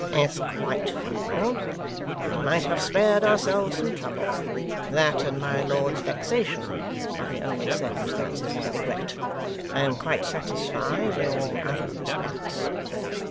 It's quite final. We might have spared ourselves some trouble. That, and my lord's vexation, are the only circumstances I regret. I am quite satisfied in all other respects.